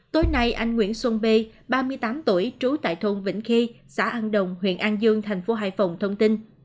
tối nay anh nguyễn xuân b ba mươi tám tuổi trú tại thôn vĩnh khê xã an đồng huyện an dương thành phố hải phòng thông tin